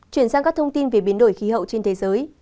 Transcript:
chuyển sang các thông tin về biến đổi khí hậu trên thế giới